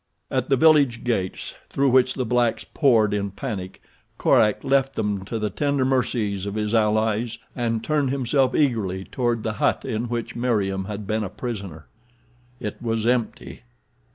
At the village gates, through which the blacks poured in panic, Korak left them to the tender mercies of his allies and turned himself eagerly toward the hut in which Meriem had been a prisoner. It was empty.